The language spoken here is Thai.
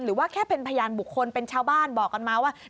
หรือว่าแค่เป็นพยานบุคคลเป็นชาวบ้านบอกกันมาว่า